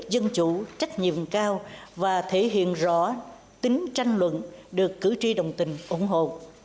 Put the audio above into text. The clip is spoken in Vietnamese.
dân chủ trách nhiệm cao và thể hiện rõ tính tranh luận được cử tri đồng tình ủng hộ